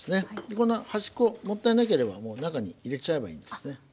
この端っこもったいなければもう中に入れちゃえばいいですね。